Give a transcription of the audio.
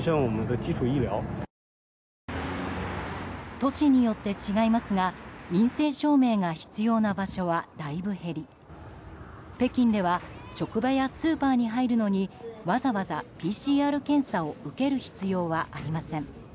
都市によって違いますが陰性証明が必要な場所はだいぶ減り北京では職場やスーパーに入るのにわざわざＰＣＲ検査を受ける必要はありません。